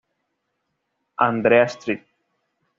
Andrea St.